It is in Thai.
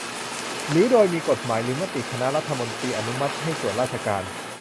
หรือโดยมีกฎหมายหรือมติคณะรัฐมนตรีอนุมัติให้ส่วนราชการ